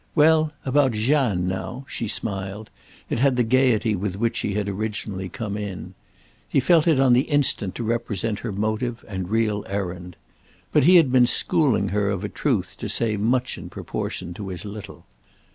"Well, about Jeanne now?" she smiled—it had the gaiety with which she had originally come in. He felt it on the instant to represent her motive and real errand. But he had been schooling her of a truth to say much in proportion to his little.